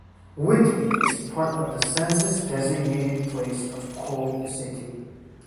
Whitby is part of the census-designated place of Coal City.